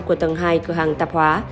của tầng hai cửa hàng tạp hóa